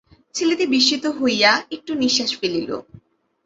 ছেলেটি বিস্মিত হইয়া একটু নিশ্বাস ফেলিল।